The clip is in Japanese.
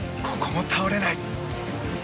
ここも倒れない。